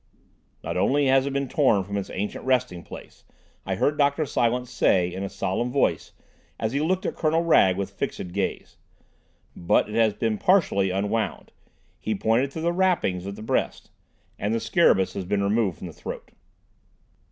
"Not only has it been torn from its ancient resting place," I heard Dr. Silence saying in a solemn voice as he looked at Colonel Wragge with fixed gaze, "but it has been partially unwound,"—he pointed to the wrappings of the breast,—"and—the scarabaeus has been removed from the throat."